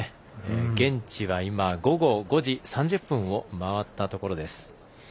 現地は午後５時３０分を回ったところです。